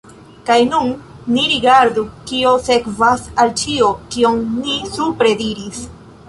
Kaj nun ni rigardu, kio sekvas el ĉio, kion ni supre diris.